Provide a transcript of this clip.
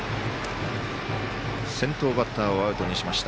先頭バッターをアウトにしました。